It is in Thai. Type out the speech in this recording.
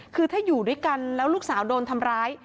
คือถ้าอยู่ด้วยกันแล้วลูกสาวโดนทำร้าย